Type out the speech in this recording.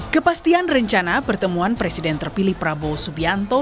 kepastian rencana pertemuan presiden terpilih prabowo subianto